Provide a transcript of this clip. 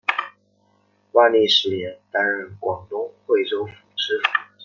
万历十年担任广东惠州府知府。